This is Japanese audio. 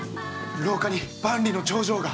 廊下に万里の長城が。